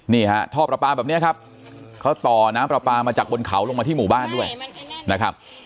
นี่ฮะท่อประปาแบบนี้ครับเขาต่อน้ำปลาปลามาจากบนเขาลงมาที่หมู่บ้านด้วยนะครับ